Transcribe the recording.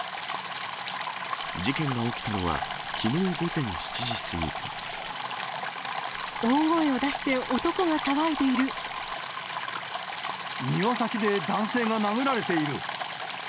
事件が起きたのはきのう午前７時大声を出して、男が騒いでい庭先で男性が殴られている。